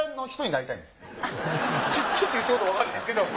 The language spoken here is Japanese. ちょっと言ってることわかんないですけど。